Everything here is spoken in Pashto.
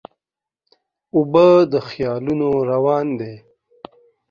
اوبه د خیالونو روان دي.